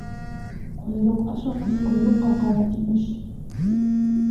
Ҡойроҡ ашаған ҡойроҡҡа ҡала, имеш.